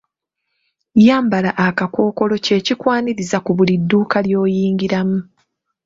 Yambala akakkookolo kye kikwaniriza ku buli dduuka ly'oyingiramu .